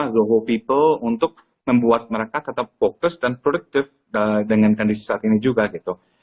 sama google people untuk membuat mereka tetap focus dan productive dengan kondisi saat ini juga gitu